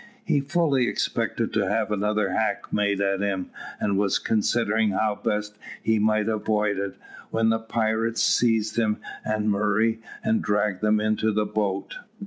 He fully expected to have another hack made at him, and was considering how best he might avoid it, when the pirates seized him and Murray, and dragged them into the boat.